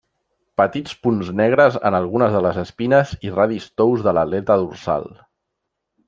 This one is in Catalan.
Petits punts negres en algunes de les espines i radis tous de l'aleta dorsal.